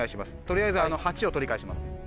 取りあえず８を取り返します。